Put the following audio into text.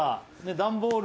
段ボール